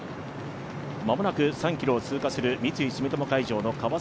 間もなく３ｋｍを通過する三井住友海上。